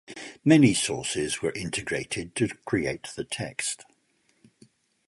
Many sources were integrated to create the text.